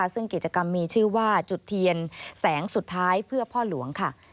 ซึ่งกิจกรรมมีชื่อว่าจุดเทียนแสงสุดท้ายเพื่อพ่อหลวงค่ะ